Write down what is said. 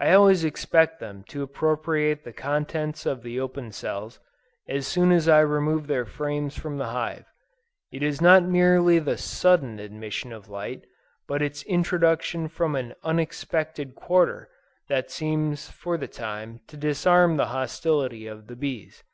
I always expect them to appropriate the contents of the open cells, as soon as I remove their frames from the hive. It is not merely the sudden admission of light, but its introduction from an unexpected quarter, that seems for the time to disarm the hostility of the bees.